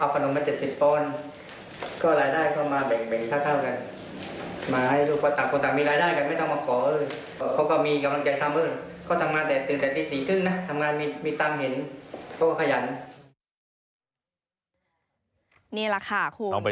ก็สมมุติเอาขนมมา๗๐ป